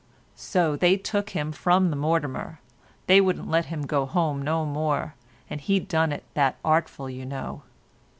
So they took him from the Mortimer; they wouldn't let him go home no more; and he done it that artful you know.